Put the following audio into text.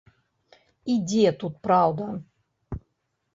І дзе тут праўда?